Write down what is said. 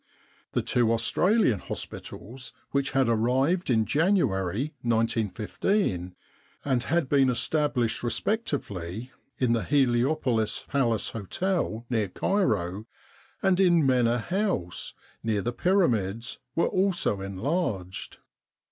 The two Australian hospitals, which had arrived In January, 1915, and had been established respectively in the Heliopolis Palace Hotel, near Cairo, and in Mena House, near the Pyramids, were also enlarged.